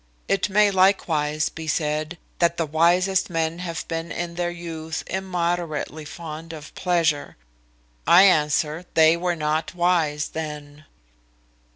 It may likewise be said, That the wisest men have been in their youth immoderately fond of pleasure. I answer, They were not wise then.